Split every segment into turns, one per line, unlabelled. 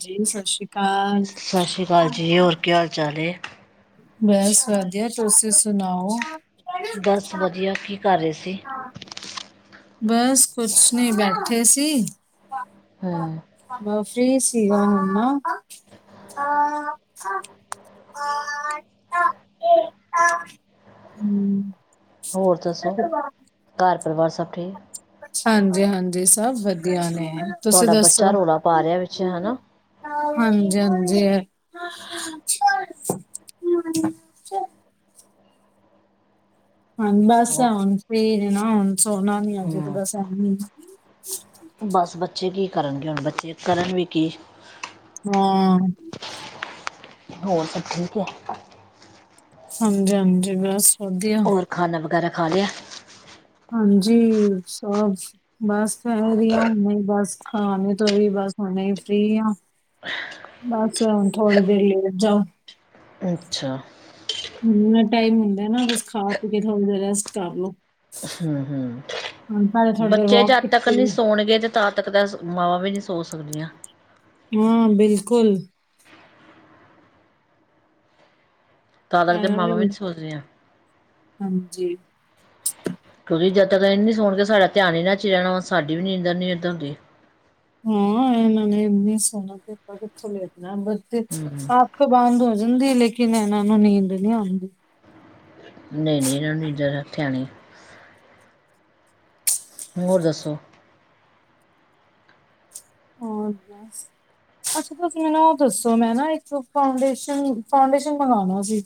ਜੀ ਸਤਿ ਸ੍ਰੀ ਅਕਾਲ।
ਕਾਲ ਜੀ ਹੋਰ ਕਿਆ ਹਾਲ ਚਾਲ ਏ?
ਬਸ ਵਧੀਆ, ਤੁਸੀਂ ਸੁਣਾਓ?
ਬੱਸ ਵਧੀਆ, ਕੀ ਕਰ ਰਹੇ ਸੀ?
ਬਸ ਕੁਛ ਨੀ, ਬੈਠੇ ਸੀ।
ਹੂੰ
ਫ੍ਰੀ ਸੀ ਹੁਣ ਮੈਂ। [unintelligible] ਹੂੰ
ਹੋਰ ਦੱਸੋ। ਘਰ ਪਰਿਵਾਰ ਸਭ ਠੀਕ।
ਹਾਂਜੀ ਹਾਂਜੀ ਸਭ ਵਧੀਆ ਨੇ। ਤੁਸੀਂ
ਤੁਹਾਡਾ
ਦੱਸੋ
ਬੱਚਾ ਰੌਲਾ ਪਾ ਰਿਹਾ, ਵਿੱਚ ਹਨਾ।
ਹਾਂਜੀ ਹਾਂਜੀ। ਹਨ, ਬੱਸ ਹੁਣ ਫੀ੍ ਨੇ ਨਾ, ਹੁਣ ਸੋਨਾ ਨੀ ਅਜੇ ਤਾ।
ਹਮ
ਬੱਸ
ਬਸ ਬੱਚੇ ਕੀ ਕਰਨਗੇ, ਹੁਣ ਬੱਚੇ ਕਰਨ ਵੀ ਕੀ।
ਹਾਂ।
ਹੋਰ ਸਭ ਠੀਕ ਹੈ।
ਹਾਂਜੀ ਹਾਂਜੀ ਬਸ ਵਧੀਆ।
ਹੋਰ ਖਾਣਾ ਵਗੈਰਾ ਖਾ ਲਿਆ?
ਹਾਂਜੀ। ਸਭ ਬਸ ਫ੍ਰੀ ਆ ਹੁਣੇ ਹੀ, ਬਸ ਖਾਣੇ ਤੋਂ ਵੀ ਬਸ ਹੁਣੇ ਹੀ ਫ੍ਰੀ ਆ। ਬਸ ਥੋੜ੍ਹੀ ਦੇਰ ਲੇਟ ਜਾਓ।
ਅੱਛਾ।
ਹੁਣੇ ਟਾਈਮ ਹੁੰਦਾ ਨਾ। ਬਸ ਖਾ- ਪੀਕੇ ਥੋੜ੍ਹ ਜਿਹਾ ਰੈਸਟ ਕਰ ਲੋੋ।
ਹੂੰ ਹੂੰ
ਥੋੜੀ ਦੇਰ
ਬੱਚੇ
ਵਾਕ
ਜਦ ਤੱਕ ਨਹੀਂ
ਕੀਤੀ ਹੈ।
ਸੋਣਗੇ। ਤਾਂ ਤੱਕ ਤਾਂ ਮਾਵਾਂ ਵੀ ਨੀ ਸੋ ਸਕਦੀਆਂ।
ਹਾਂ ਬਿਲਕੁਲ।
ਤਾਂ ਲਗਦੇ ਮਾਵਾਂ ਵੀ ਨੀ ਸੋਦੀਆਂ।
ਹਾਂਜੀ।
ਕਿਉਂਕਿ ਜਦ ਤੱਕ ਇਹ ਨੀ ਸੋਣ ਕੇ ਸਾਡਾ ਧਿਆਨ ਹੀ ਇਨਾ ਚ ਹੀ ਰਹਿਣਾ ਵਾ ਸਾਡੀ ਵੀ ਨੀਂਦਰ ਨੀ ਇੱਧਰ ਹੁੰਦੀ।
ਹਾਂ ਐਨਾ ਦੇ ਮਿਸ ਹੋਏ ਨਾ ਪੇਪਰ ਅੱਛਾ ਨੀ ਲਗਦਾ ਬਰਤ ਚ।
ਹਮ
ਅੱਖਾਂ ਬੰਦ ਹੋ ਜਾਂਦੀ ਲੇਕਿਨ ਇਹਨਾਂ ਨੂੰ ਨੀਂਦ ਨਹੀਂ ਆਉਂਦੀ।
ਨਹੀਂ, ਨਹੀਂ ਇਹਨਾਂ ਨੂੰ ਨਹੀਂ ਨਿੰਦਰ ਇਥੇ ਆਉਣੀ। ਹੋਰ ਦੱਸੋ?
ਹੋਰ ਬਸ। ਅੱਛਾ ਤੁਸੀਂ ਮੈਨੂੰ ਉਹ ਦੱਸੋ ਮੈਂ ਨਾ ਇੱਕ ਫਾਊਂਡੇਸ਼ਨ ਫਾਊਂਡੇਸ਼ਨ ਮੰਗਵਾਉਣਾ ਸੀ।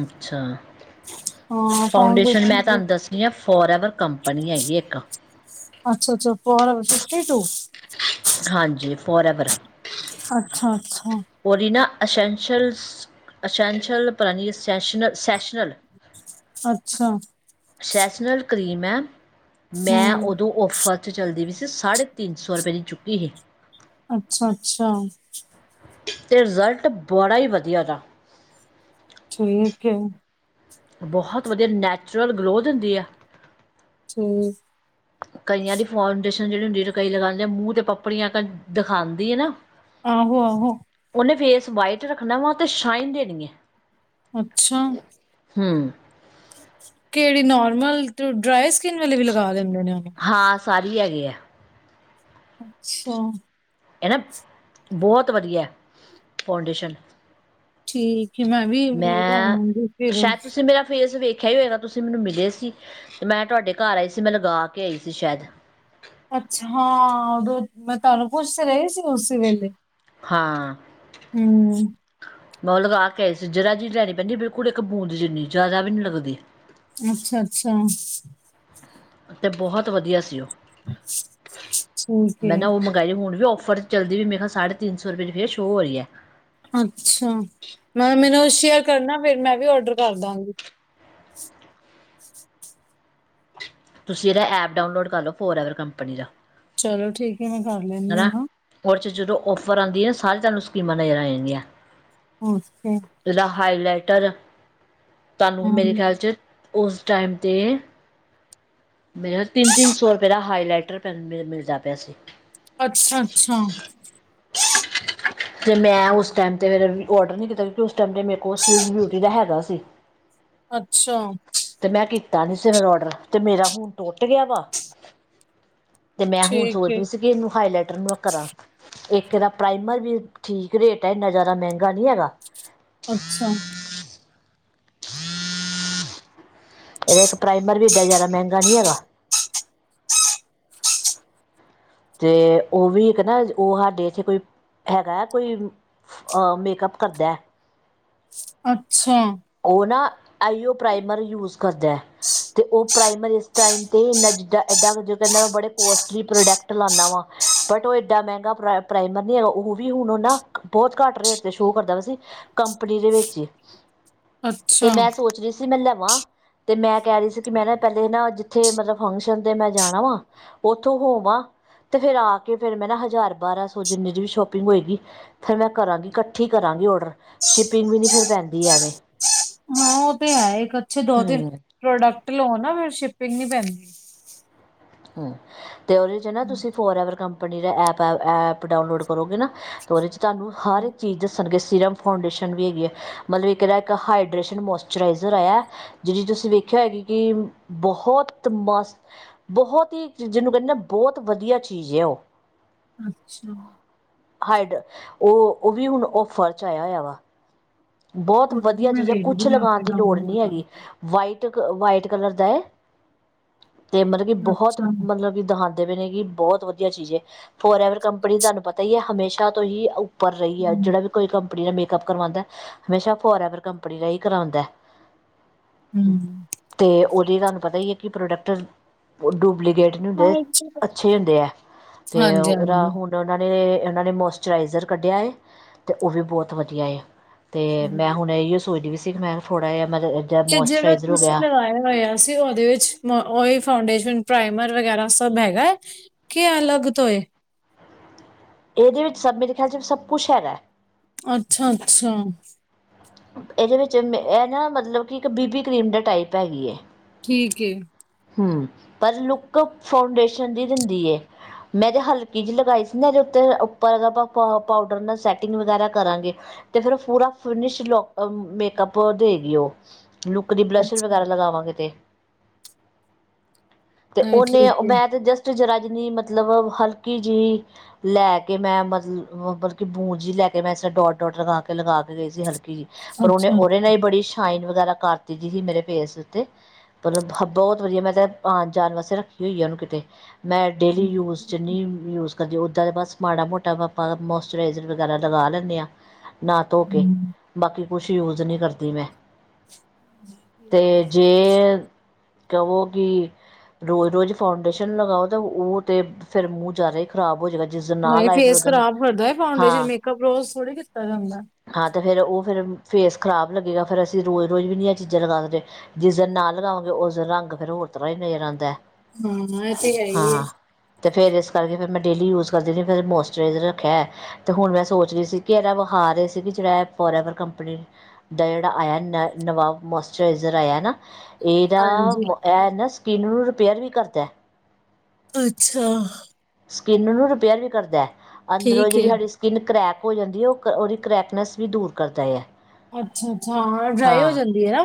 ਅੱਛਾ ਫਾਊਂਡੇਸ਼ਨ ਮੈਂ ਤੁਹਾਨੂੰ ਦੱਸਣੀ ਆ ਫੋਰ ਐਵਰ ਕੰਪਨੀ ਹੈਗੀ ਇੱਕ।
ਅੱਛਾ ਅੱਛਾ ਫੋਰ ਅਵਰ ਫਿਫਟੀ ਟੂ।
ਹਾਂਜੀ ਫੋਰ ਐਵਰ।
ਅੱਛਾ ਅੱਛਾ।
ਉਹੀ ਨਾ ਅਸੈਂਸ਼ੀਅਲ ਅਸੈਂਸ਼ੀਅਲ ਪਤਾ ਨਹੀਂ ਸੈਸ਼ਨਲ।
ਅੱਛਾ।
ਸੈਸ਼ਨਲ ਕ੍ਰੀਮ ਹੈ ਮੈਂ
ਹਮ
ਉਦੋਂ ਔਫਰ। ਉੱਥੇ ਚੱਲਦੀ ਵੀ ਸੀ ਸਾਢੇ ਤਿੰਨ ਸੌ ਰੁਪਏ ਦੀ ਚੁੱਕੀ ਨਹੀ ਸੀ।
ਅੱਛਾ ਅੱਛਾ।
ਤੇ ਰਿਜ਼ਲਟ ਬੜਾ ਹੀ ਵਧੀਆ ਉਹਦਾ।
ਠੀਕ ਏ।
ਬਹੁਤ ਵਧੀਆ ਨੈਚੁਰਲ ਗਲੋ ਦਿੰਦੀ ਆ।
ਠੀਕ।
ਕਈਆਂ ਦੀ ਫਾਊਂਡੇਸ਼ਨ ਜਿਹੜੀ ਹੁੰਦੀ ਕਈ ਲਗਾਉਂਦੇ ਮੂੰਹ ਤੇ ਪਪੜੀਆਂ ਦਿਖਾਉਂਦੀ ਹੈ ਨਾ।
ਆਹੋ ਆਹੋ।
ਉਹਨੇ ਫੇਸ ਵਾਈਟ ਰੱਖਣਾ ਵਾ ਤੇ ਸ਼ਾਈਨ ਦੇਣੀ ਹੈ।
ਅੱਛਾ
ਹਮ
ਕਿਹੜੀ ਨੋਰਮਲ ਡਰਾਈ ਸਕਿਨ ਵਾਲੇ ਵੀ ਲਗਾ ਲੈਂਦੇ ਨੇ ਉਹਨੂੰ।
ਹਾਂ ਸਾਰੇ ਹੈਗੇ ਆ।
ਅੱਛਾ।
ਹਨ ਨਾ ਬਹੁਤ ਵਧੀਆ ਫਾਊਂਡੇਸ਼ਨ।
ਠੀਕ ਹੈ ਮੈਂ ਵੀ
ਮੈਂ
ਲਾਉਂਗੀ ਫਿਰ
ਸ਼ਾਇਦ ਤੁਸੀਂ ਮੇਰਾ ਫੇਸ ਵੇਖ। ਵੇਖਿਆ ਹੀ ਹੋਏਗਾ ਤੁਸੀਂ ਮੈਨੂੰ ਮਿਲੇ ਸੀ ਤੇ ਮੈਂ ਤੁਹਾਡੇ ਘਰ ਆਈ ਸੀ। ਮੈਂ ਲਗਾ ਕੇ ਆਈ ਸੀ ਸ਼ਾਇਦ।
ਅੱਛਾ ਹਾਂ, ੳਦੋ ਮੈਂ ਤੁਹਾਨੂੰ ਪੁੱਛ ਤੇ ਰਹੀ ਸੀ। ਉਸੇ ਵੇਲੇ
ਹਾਂ
ਹਾਂਜੀ।
ਮੈਂ ਉਹ ਲਗਾ ਕੇ ਆਏ ਸੀ ਜਰਾ ਜਿਹੀ ਲੈਣੀ ਪੈਂਦੀ ਬਿਲਕੁਲ ਇੱਕ ਬੂੰਦ ਜਿੰਨੀ ਜ਼ਿਆਦਾ ਵੀ ਨੀ ਲੱਗਦੀ।
ਅੱਛਾ ਅੱਛਾ।
ਤੇ ਬਹੁਤ ਵਧੀਆ ਸੀ ਉਹ
ਠੀਕ
ਮੈਂ
ਹੈ
ਨਾ ਉਹ। ਹੁਣ ਔਫਰ ਚੱਲਦੀ ਵੀ ਮੈਂ ਕਿਹਾ ਸਾਢੇ ਤਿੰਨ ਸੌ ਰਪਏ ਚ ਫਿਰ ਸ਼ੋ ਹੋ ਰਹੀ ਹੈ।
ਅੱਛਾ, ਮੈਂ ਮੈਨੂੰ ਸ਼ੇਅਰ ਕਰਨਾ ਫੇਰ ਮੈਂ ਵੀ ਔਡਰ ਕਰ ਦਾਂ।
ਤੁਸੀਂ ਇਹਦਾ ਐਪ ਡਾਊਨਲੋਡ ਕਰ ਲਓ ਫੋਰ ਐਵਰ ਕੰਪਨੀ ਦਾ।
ਚਲੋ ਠੀਕ ਹੈ ਮੈਂ ਕਰ ਲੈਂਦੀ
ਹਨਾ
ਹਾਂ।
ਉਹਦੇ 'ਚ ਜਦੋਂ ਔਫਰ ਆਉਂਦੀ ਹੈ ਨਾ ਸਾਰੇ ਤੁਹਾਨੂੰ ਸਕੀਮਾਂ ਨਜ਼ਰ ਆ ਜਾਂਦੀਆਂ।
ਓਕੇ।
ਜਿਹੜਾ ਹਾਈਲਾਈਟਰ ਤੁਹਾਨੂੰ ਮੇਰੇ
ਹੂੰ
ਖਿਆਲ 'ਚ ਉਸ ਟਾਈਮ ਤੇ। ਮੇਰਾ ਤਿੰਨ ਤਿੰਨ ਸੌ ਰੁਪਏ ਦਾ ਹਾਈਲਾਈਟਰ ਪਹਲੇ ਮਿਲ ਜਾਂਦਾ ਸੀ।
ਅੱਛਾ ਅੱਛਾ।
[inaudible] ਤੇ ਮੈਂ ਉਸ ਟਾਈਮ ਤੇ ਫਿਰ ਔਡਰ ਨਹੀ ਕੀਤਾ ਕਿਉਂਕਿ ਉਸ ਟਾਈਮ ਤੇ ਮੇਰੇ ਕੋਲ ਸਵਿਸ ਬਿਊਟੀ ਦਾ ਹੈਗਾ ਸੀ।
ਅੱਛਾ।
ਤੇ ਮੈਂ ਕੀਤਾ ਨੀ ਸੀ ਫਿਰ ਔਡਰ ਤੇ ਮੇਰਾ ਹੁਣ ਟੁੱਟ ਗਿਆ ਵਾ। ਤੇ ਮੈਂ ਹੋਣ
ਠੀਕ
ਸੋਚ
ਹੈ
ਰੀ ਸੀ ਕਿ ਏਨੂੰ ਹਾਈਲਾਈਟਰ ਨੂੰ ਕਰਾਂ। ਇੱਕ ਦਾ ਪ੍ਰਾਈਮਰ ਵੀ, ਠੀਕ ਰੇਟ ਐ ਏਨਾ ਜਾਦਾ ਮੈਂਗਾ ਨੀ ਹੈਗਾ।
ਅੱਛਾ।
ਏਕ ਪ੍ਰਾਈਮਰ ਵੀ ਐਡਾ ਯਾਦਾ ਮੈਂਗਾ ਨੀ ਹੈਗਾ। ਤੇ ਓਹ ਵੀ ਇੱਕ ਨਾ ਕ ਓ ਹਾਡੇ ਚ ਕੋਈ ਹੈਗਾ ਆ ਕੋਈ ਆ ਮੇਕਅਪ ਕਰਦਾ ਐ
ਅੱਛਾ।
ਓ ਨਾ ਆਈਓ ਪ੍ਰਾਈਮਰ ਯੂਸ ਕਰਦੈ। ਤੇ ਓ ਪ੍ਰੇਈਮਰੀ [unintelligible] ਪ੍ਰੋਡਕਟ ਲਾਦਾ ਵਾ। ਬਟ ਓ ਏਡਾ ਮੈਂਗਾ ਪਰੈ ਪਰਾਇਮਰ ਨੀ ਹੈਗਾ ਓ ਵੀ ਹੁਣ ਨਾ ਬੋਤ ਘੱਟ ਰੇਟ ਤੇ ਸ਼ੌ ਕਰਦਾ ਵੈਸੇ ਕੰਪਨੀ ਦੇ ਵਿੱਚ ਹੀ ਤੇ
ਅੱਛਾ
ਮੈਂ ਸੋਚ ਰਹੀ ਸੀ ਮੈਂ ਲਵਾਂ। ਤੇ ਮੈਂ ਕੈ ਰਈ ਕਿ ਮੈਂ ਨਾ ਪੈਲੇ ਨਾ ਜਿੱਥੇ ਮਤਲ ਫੰਕਸ਼ਨ ਤੇ ਮੈਂ ਜਾਣਾ ਵਾ ਉੱਥੋਂ ਹੋਵਾਂ, ਤੇ ਫੇਰ ਆ ਕੇ ਫੇਰ ਮੈਂ ਨਾ ਹਜ਼ਾਰ ਬਾਰਾਂ ਸੌ ਜਿੰਨੀ ਦੀ ਵੀ ਸ਼ੋਪਿੰਗ ਹੋਏਗੀ ਫੇਰ ਮੈਂ ਕਰਾਂਗੀ ਕੱਠੀ ਕਰਾਂਗੀ ਔਡਰ ਸ਼ਿਪਿੰਗ ਵੀ ਨੀ ਫੇਰ ਪੈਂਦੀ ਐਵੇ।
[inaudible] ਹਾਂ ਉਹ ਤੇ ਹੈ ਈ ਇੱਕ ਅੱਛੇ ਦੋ ਤਿੰਨ,
ਹੂੰ
ਪ੍ਰੋਡਕਟ ਲੋ ਨਾ ਫੇਰ ਸ਼ਿਪਿੰਗ ਨੀ ਪੈਂਦੀ।
ਤੇ ਓਦੇ ਚ ਨਾ ਤੁਸੀਂ ਫੋਰ ਐਵਰ ਕੰਪਨੀ ਦਾਪ ਐਪ ਅ ਅ ਐਪ ਡਾਊਨਲੋਡ ਕਰੋਗੇ ਨਾ ਓਦੇ ਚ ਧਾਨੂੰ ਹਾਰ ਏ ਚੀਜ਼ ਦੱਸਣਗੇ ਸੀਰਮ ਫਾਊਂਡੇਸ਼ਨ ਵੀ ਹੈਗੀ ਐ ਮਲਬ ਇੱਕ ਐਦਾ ਇੱਕ ਹਾਈਡਰੇਸ਼ਨ ਮੋਇਸਚਰਾਈਜ਼ਰ ਆਏਆ ਜੇ ਜਸ ਵੇਖਿਆ ਹੈਗੀ ਕੀ, ਬਹੋਤ ਮਸ ਬਹੋਤ ਹੀ ਜੇਨੂੰ ਕੈਨੇ ਬੋਤ ਵਧੀਆ ਚੀਜ਼ ਏ ਓ।
ਅੱਛਾ।
ਹਾਈ ਡ ਓ ਓ ਵੀ ਹੁਣ ਔ ਫਰ ਚ ਆਇਆ ਹੋਇਆ ਵਾ। ਬੋਤ
ਕੋਈ ਨੀ
ਵਧੀਆ
ਮੈਂ
ਚੀਜ਼ ਆ ਕੁੱਛ
ਵੇਖਦੀ
ਲਗਾਣ
ਫਿਰ
ਦੀ ਲੋੜ
ਡਾਊਨਲੋਡ
ਨੀ ਹੈਗੀ
ਕਰਕੇ
ਵਾਈਟਗ ਵਾਈਟ ਕਲਰ ਦਾ ਐ, ਤੇ ਮਲਬ ਕੀ ਬਹੋਤ
ਅੱਛਾ
ਮਲਬ ਕੀ ਦਹਾਂਤ ਤੇ ਮਿਲੇਗੀ ਬਹੋਤ ਵਧੀਆ ਚੀਜ਼ ਹੈ ਫੋਰ ਐਵਰ ਕੰਪਨੀ ਧਾਨੂੰ ਪਤਾ ਈ ਐ ਹਮੇਸ਼ਾ ਤੋਂ ਈ ਉਪਰ ਰਈ ਆ
ਹਮ
ਜੇੜਾ ਵੀ ਕੋਈ ਕੰਪਨੀ ਨਾਲ ਮੇਕਅਪ ਕਰਵਾਦਾ ਹਮੇਸ਼ਾ ਫੋਰਐਵਰ ਕੰਪਨੀ ਦਾ ਈ ਕਰਵਾਦਾ।
ਹਮ
ਤੇ ਓਦੇ ਧਾਨੂੰ ਪਤਾ ਈ ਆ ਕਿ ਪ੍ਰੋਡਕਟ, ਡੁਪਲੀਗੇਟ ਨੀ ਹੁੰਦੇ
ਹਾਂਜੀ
ਅੱਛੇ ਹੁੰਦੇ ਆ ਤੇ
ਹਾਂਜੀ
ਔਦਾ ਹੁਣ ਤੇ ਓਨਾਂ ਨੇ ਓਨਾਂ ਨੇ ਮੋਸਚਰਾਈਜ਼ਰ ਕੱਢਿਆ ਏ ਤੇ ਓ ਵੀ ਬਹੁਤ ਵਧੀਆ ਆ। ਤੇ ਮੈਂ
ਹੂੰ।
ਹੁਣ ਐਇਔ ਸੋਚਦੀ ਵੀ ਸੀ ਕਿ ਮੈਂ ਥੋੜ ਜੇਆ ਮਾ
ਕਿ ਜੇੜਾ ਤੁਸੀਂ ਲਗਾਇਆ ਹੋਇਆ ਸੀ ਓਦੇ ਵਿੱਚਨ ਓਈ ਫਾਉਂਡੇਸ਼ਨ, ਪ੍ਰਾਈਮਰ ਵਗੈਰਾ ਸਬ ਹੈਗਾ? ਕੀ ਅਲੱਗ ਤੋ ਏ?
ਇਹਦੇ ਵਿੱਚ ਸਭ ਮੇਰੇ ਖਿਆਲ ਚ ਵੀ ਸਭ ਕੁੱਛ ਹੈਗਾ ਐ।
ਅੱਛਾ-ਅੱਛਾ।
ਏਦੇ ਵਿੱਚ ਮ ਏ ਨਾ ਮਤਲਬ ਕੀ ਇੱਕ ਬੀਬੀ ਕਰੀਮ ਦੇ ਟਾਈਪ ਹੈਗੀ ਏ।
ਠੀਕ ਏ।
ਹੂੰ, ਪਰ ਲੁੱਕ ਫਾਊਂਡੇਸ਼ਨ ਦੀ ਦੇਂਦੀ ਏ। ਮੈਂ ਤੇ ਹਲਕੀ ਜੀ ਲਗਾਈ ਸੀ ਨਾ ਏਦੇ ਉੱਤੇ ਉੱਪਰ ਆਪਾਂ ਪਾ ਪਾਊਡਰ ਨਾਲ ਸੈਟਿੰਗ ਵਗੈਰਾ ਕਰਾਂਗੇ। ਤੇ ਫਿਰ ਪੂਰਾ ਫਿਨਿਸ਼ [unintelligible] ਮੇਕਅੱਪ ਦੇਗੀ ਓ। ਲੁੱਕ ਦੀ ਬਰੱਸ਼ਰ
ਅੱਛਾ
ਵਗੈਰਾ ਲਗਾਵਾਂਗੇ ਤੇ ਤੇ
ਨਹੀਂ
ਓਨੇ
ਠੀਕ ਹੈ
ਮੈਂ ਤੇ ਜਸਟ ਜਰਾ ਜਨੀ ਮਤਲਬ ਹਲਕੀ ਜੀ ਲੈ ਕੇ ਮੈ [unintelligible] ਪੂਂਛ ਲੈ ਕੇ ਮੈਂ ਸ ਡੋਟ-ਡੋਟ ਲਗਾ ਕੇ ਹਲ ਕੀ ਪਰ ਓਨੇ
ਅੱਛਾ
ਓਨੇ ਏ ਨਾਲ ਹੀ ਬੜੀ ਸ਼ਾਈਨ ਵਗੈਰਾ ਕਰ ਦਿਤੀ ਜੀ ਸੀ ਮੇਰੇ ਫੇਸ ਉੱਤੇ। ਬੌਤ ਵਧੀਆ ਮੈਂ ਤਾਂ ਆਣ ਜਾਣ ਵਾਸਤੇ ਰੱਖੀ ਹੋਈ ਐ ਓਨੂੰ ਕਿਤੇ ਮੈਂ ਡੇਲੀ
ਹਮ।
ਯੂਸ ਚ ਨੀ ਯੂਜ ਕਰਦੀ ਉੱਦਾਂ ਦਾ ਬਸ ਮਾੜਾ ਮੋਟਾ ਆਪਾਂ ਮੋਸਚਰਾਈਜ਼ਰ ਵਗੈਰਾ ਲਗਾ ਲੈਂਦੇ ਆ ਨਾ ਧੋ ਕੇ। ਬਾਕੀ ਕੁਛ ਯੂਜ ਨੀ ਕਰਦੀ ਮੈਂ, ਤੇ ਜੇ [unintelligible] ਰੋਜ਼-ਰੋਜ਼ ਫਾਊਂਡੇਸ਼ਨ ਲਗਾਓ ਤਾਂ ਉਹ ਤੇ ਫਿਰ ਮੂੰ ਯਾਦਾ ਈ ਖ਼ਰਾਬ ਹੋ ਜਦਾ ਜਿਸ ਦਿਨ ਨਾ
ਨਹੀਂ
ਲਾਏ ਫਿਰ
ਫੇਸ
ਓਦਨ
ਖਰਾਬ ਕਰਦਾ ਹੈ ਫਾਊਂਡੇਸ਼ਨ
ਹਾਂ
ਮੇਕਅਪ ਰੋਜ਼ ਥੋੜੀ ਕੀਤਾ ਜਾਂਦਾ
ਹਾਂ ਤੇ ਫੇਰ ਓਹ ਫੇਰ ਫੇਸ ਖ਼ਰਾਬ ਲੱਗੇਗਾ। ਫੇਰ ਅਸੀਂ ਰੋਜ਼-ਰੋਜ਼ ਵੀ ਨੀ ਐ ਚੀਜ਼ਾਂ ਲਗਾ ਸਕਦੇ। ਜਿਸ ਦਿਨ ਨਾ ਲਗਾਉਗੇ ਓਸ ਦਿਨ ਰੰਗ ਫੇਰ ਹੋਰ ਤਰ੍ਹਾਂ ਹੀ ਨਜ਼ਰ ਆਂਦੈ।
ਹੂੰ, ਐ ਤੇ ਹੈਈ ਏ।
ਤੇ ਫੇਰ ਏਸ ਕਰਕੇ ਫੇਰ ਮੈਂ ਡੇਲੀ ਯੂਜ ਕਰਦੀ ਰਹੀ ਫਿਰ ਏ ਮੋਸਚਰਾਈਜ਼ਰ ਰੱਖਿਆ। ਤੇ ਹੁਣ ਮੈਂ ਸੋਚ ਰਹੀ ਸੀ ਕਿ ਏਹਦਾ ਵਿਖਾ ਰਹੇ ਸੀ ਕਿ ਜਿਹੜਾ ਐ ਫੋਰ ਐਵਰ ਕੰਪਨੀ। ਤੇ ਜਿਹੜਾ ਆਇਆ ਨਵਾਂ ਮੋਸਚਰਾਈਜ਼ਰ ਆਇਆ ਨਾ। ਦਾ
ਹਾਂਜੀ
ਇਹ ਨਾ ਸਕੀਨ ਨੂੰ ਰਿਪੇਅਰ ਵੀ ਕਰਦਾ।
ਅੱਛਾ।
ਸਕਿੰਨ ਨੂੰ ਰਿਪੇਅਰ ਵੀ ਕਰਦੈ, ਅੰਦਰੋਂ
ਠੀਕ
ਜਿਹੜੀ
ਹੈ
ਸਾਡੀ ਸਕਿੰਨ ਕਰੈਕ ਹੋ ਜਾਂਦੀ ਹੈ, ਉਹ ਉਹਦੀ ਕਰੈਕਨੈੱਸ ਵੀ ਦੂਰ ਕਰਦਾ ਆ।
ਅੱਛਾ-ਅੱਛਾ ਹਾਂ ਡਰਾਈ ਹੋ ਜਾਂਦੀ ਹੈ ਨਾ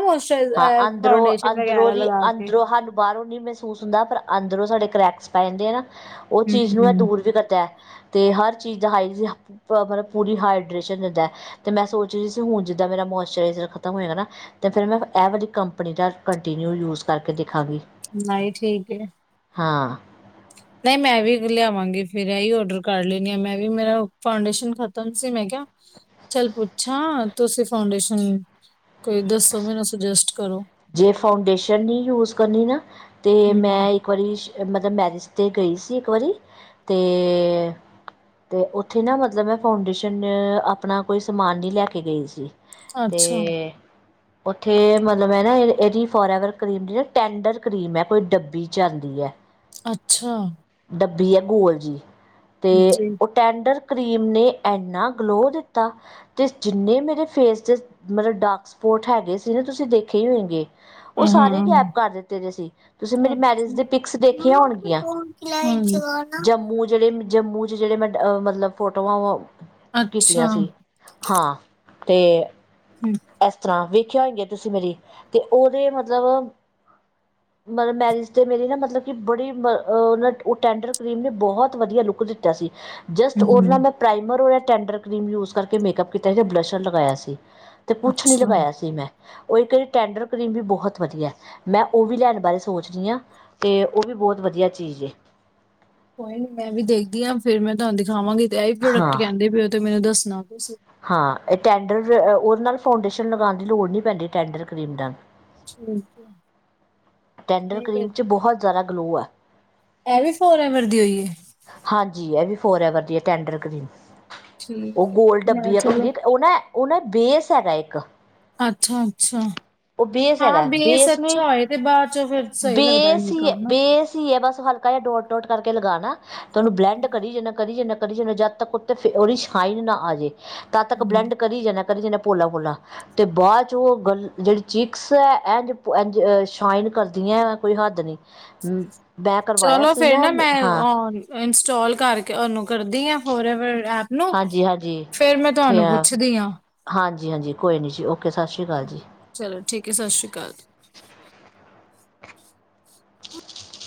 ਹਾਂ
ਮਾਸਚਰਾਈਜਰ
ਅੰਦਰੋਂ
ਫਾਊਂਡੇਸ਼ਨ
ਅੰਦਰੋਂ
ਵਗੈਰਾ
ਦੀ
ਲਗਾ ਕੇ।
ਅੰਦਰੋਂ ਸਾਨੂੰ ਬਾਹਰੋਂ ਨਹੀ ਮਹਿਸੂਸ ਹੁੰਦਾ ਪਰ ਅੰਦਰੋਂ ਸਾਡੇ ਕਰੈਕਸ ਪੈ ਜਾਂਦੇ ਆ। ਉਹ
ਹਮ
ਚੀਜ਼ ਨੂੰ ਇਹ
ਹਮ
ਦੂਰ ਵੀ ਕਰਦਾ ਹੈ। ਤੇ ਹਰ ਚੀਜ਼ ਦਾ ਹਾਈ ਮਤਲਬ ਪੂਰੀ ਹਾਈਡਰੇਸ਼ਨ ਦਿੰਦਾ। ਤੇ ਮੈਂ ਸੋਚ ਰਹੀ ਸੀ ਹੁਣ ਜਿੱਦਾਂ ਮੇਰਾ ਮੋਇਸਚਰਾਈਜਰ ਖਤਮ ਹਏਗਾ ਨਾ। ਤੇ ਫੇਰ ਮੈਂ ਇਹ ਵਾਲੀ ਕੰਪਨੀ ਦਾ ਕੰਟੀਨਿਊ ਯੂਜ ਕਰਕੇ ਦੇਖਾਂਗੀ।
ਨਹੀਂ ਠੀਕ ਹੈ।
ਹਾਂ।
ਨਹੀਂ ਮੈਂ ਵੀ ਲਿਆਵਾਂਗੀ ਫੇਰ ਇਹੀ ਓਡਰ ਕਰ ਲੈਣੀ ਆ ਮੈਂ ਵੀ ਮੇਰਾ ਫਾਂਊਡੇਸ਼ਨ ਖ਼ਤਮ ਸੀ। ਮੈਂ ਕਿਹਾ ਚੱਲ ਪੁੱਛਾਂ ਤੁਸੀਂ ਫਾਂਊਡੇਸ਼ਨ ਕੋਈ ਦੱਸੋ ਮੈਨੂੰ ਸੁਜੈਸਟ ਕਰੋ।
ਜੇ ਫਾਊਂਡੇਸ਼ਨ ਨ੍ਹੀਂ ਯੂਜ ਕਰਨੀ ਨਾ ਤੇ
ਹਮ
ਮੈਂ ਇ ਇੱਕ ਵਾਰੀ ਮਤਲਬ ਮੈਰਿਜ ਤੇ ਗਈ ਸੀ। ਇੱਕ ਵਾਰੀ ਤੇ ਤੇ ਔਥੇ ਨਾ ਮਤਲਬ ਮੈਂ ਫਾਊਂਡੇਸ਼ਨ ਆਪਣਾ ਕੋਈ ਸਮਾਨ ਨੀ ਲੈ ਕੇ ਗਈ ਸੀ। ਤੇ
ਅੱਛਾ
ਉੱਥੇ ਮਤਲਬ। ਮੈਂ ਨਾ ਏ ਏਦੀ ਫੋਰਐਵਰ ਕਰੀਮ ਦੀ ਨਾ ਟੈਂਡਰ ਕਰੀਮ ਐ ਕੋਈ ਡੱਬੀ ਚ ਆਂਦੀ ਐ।
ਅੱਛਾ।
ਡੱਬੀ ਐ ਗੋਲ ਜੀ ਤੇ
ਜੀ
ਉਹ। ਟੈਂਡਰ ਕਰੀਮ ਨੇ ਐੰਨਾ ਗਲੋਅ ਦਿੱਤਾ। ਤੇ ਜਿੰਨੇ ਮੇਰੇ ਫੇਸ ਤੇ ਮਤਲਬ ਡਾਰਕ ਸਪੋਟ ਹੈਗੇ ਸੀ ਨਾ ਤੁਸੀਂ ਦੇਖੇ ਈ ਹੋਏਗੇ। ਓਹ
ਹਾਂ
ਸਾਰੇ ਈ ਗੈਪ ਕਰ ਦਿੱਤੇ ਦੇ ਸੀ। ਤੁਸੀਂ ਮੇਰੀ ਮੈਰਿਜ ਦੀਆਂ ਪਿਕਸ ਦੇਖੀਆਂ ਹੋਣਗੀਆਂ।
ਹਾਂਜੀ।
ਜੰਮੂ ਜਿਹੜੇ ਜਮੂ ਤੇ ਜਿਹੜੇ ਮੈਂ ਅ ਮਤਲਬ ਫੋਟੋਆਂ ਔ ਕੀਤੀਆਂ ਸੀ ਹਾਂ। ਤੇ ਐਸ ਤਰ੍ਹਾਂ ਵੇਖਿਆ ਹੋਈਗੀਆ ਤੁਸੀਂ ਮੇਰੀ ਤੇ ਓਹਦੇ ਮਤਲਬ। ਮਤਲਬ ਮੈਰਿਜ ਤੇ ਮੇਰੀ ਨਾ ਮਤਲਬ ਕਿ ਬੜੀ ਮ ਅ ਨਾ ਉਹ ਟੈਂਡਰ ਕਰੀਮ ਨੇ ਬਹੌਤ ਵਧੀਆ ਲੁੱਕ ਦਿੱਤਾ ਸੀ। ਜਸਟ ਉਹਨਾਂ ਨੇ ਪ੍ਰਾਈਮਰ ਔਰ ਐ ਟੈਂਡਰ ਕਰੀਮ ਯੂਜ ਕਰਕੇ ਮੇਕਅਪ ਕੀਤਾ ਸੀ ਯਾ ਬਲਸ਼ਰ ਲਗਾਇਆ ਸੀ। ਤੇ ਕੁਛ ਨਹੀਂ ਲਗਾਇਆ ਸੀ ਮੈਂ। ਓਹੀ ਕਰੀਮ ਟੈਂਡਰ ਕਰੀਮ ਵੀ ਬਹੁਤ ਵਧੀਆ। ਮੈਂ ਉਹ ਵੀ ਲੈਣ ਬਾਰੇ ਸੋਚਦੀ ਹਾਂ। ਅਤੇ ਉਹ ਵੀ ਬਹੁਤ ਵਧੀਆ ਚੀਜ਼ ਏ।
ਕੋਈ ਨੀ ਮੈਂ ਵੀ ਦੇਖਦੀ ਹਾਂ ਫੇਰ ਮੈਂ ਤੁਹਾਨੂੰ ਦਿਖਾਵਾਂਗੀ ਤੇ ਐਹੀ ਪ੍ਰੋਡਕਟ
ਹਾਂ
ਕੈੰਦੇ ਪਏ ਹੋ ਤੇ ਮੈਨੂੰ ਦੱਸਣਾ ਤੁਸੀਂ।
ਹਾਂ, ਏ ਟੈਂਡਰ ਅ ਫਿਰ ਓਦੇ ਨਾਲ ਫਾਉਡੇਸ਼ਨ ਲਗਾਣ ਦੀ ਲੋੜ ਨੀ ਪੈਂਦੀ ਟੈਂਡਰ ਕਰੀਮ ਨਾਲ।
ਠੀਕ ਹੈ।
ਟੈਂਡਰ
ਨਹੀਂ
ਕਰੀਮ 'ਚ ਬਹੁਤ ਜਿਆਦਾ ਗਲੋ ਆ।
ਐ ਵੀ ਫੋਰ-ਐਵਰ ਦੀ ਉ ਈ ਏ?
ਹਾਂਜੀ, ਐਹ ਵੀ ਫੋਰ-ਐਵਰ ਦੀਏ, ਟੈਂਡਰ ਕਰੀਮ। ਉਹ
ਠੀਕ ਹੈ
ਗੋਲ
ਮੈਂ
ਡੱਬੀ ਐ
ਚਲੋ
ਹੁੰਦੀ ਇਕ ਓਹ ਨਾ ਓਹ ਨਾ ਬੇਸ ਹੈਗਾ ਇੱਕ।
ਅੱਛਾ ਅੱਛਾ,
ਉਹ ਬੇਸ
ਹਾਂ
ਹੈਗਾ
ਬੇਸ
ਨੂੰ
ਅੱਛਾ ਹੋਏ। ਤੇ ਬਾਅਦ ਚੋਂ ਫਿਰ ਸਹੀ ਲੱਗਦਾ ਇੰਨੇ ਕ ਹਨਾ।
ਕੀ ਹੈ ਬਸ ਹਲਕਾ ਜਿ ਡੋਟ ਟੋਟ ਕਰਕੇ ਲਗਾਉਣਾ ਤੇ ਉਹਨੂੰ ਬਲੈਂਡ ਕਰੀ ਜਾਣਾ, ਕਰੀ ਜਣਾ, ਕਰੀ ਜਣਾ। ਤ ਉੱਤੇ ਉਹ ਦੀ ਸ਼ਈਨ ਨਾ ਆ ਜੇ ਤਦ ਤੱਕ
ਹਮ,
ਬਲੈਂਡ ਕਰੀ ਜਾਣਾ ਕਰੀ ਜਾਣਾ। ਪੋਲਾ-ਪੋਲਾ ਬਾਦ ਚੋ ਚਿਕਸ ੲ ਐ ਐਜ ਸ਼ਈਨ ਕਰਦੀਆਂ ਕੋਈ ਹੱਦ ਨੀ ਹੂੰ
ਚਲੋ ਫੇਰ ਨਾ ਮੈਂ ਇੰਸਟੌਲ ਕਰਕੇ ਓਨੂੰ ਕਰਦੀ ਆ ਹੋਰ ਐਪ ਨੂੰ ਫਿਰ ਮੈਂ ਤੁਹਾਨੂੰ ਪੁੱਛਦੀ ਹਾਂ
ਹਾਂਜੀ-ਹਾਂਜੀ-ਹਾਂਜੀ-ਹਾਂਜੀ ਕੋਈ ਨੀ ਜੀ ਓਕੇ ਸਤਿ ਸ਼੍ਰੀ ਅਕਾਲ ਜੀ।
ਚਲੋ ਠੀਕ ਐ ਸਤਿ ਸ਼੍ਰੀ ਅਕਾਲ
[unintelligible]